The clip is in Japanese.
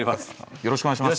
よろしくお願いします。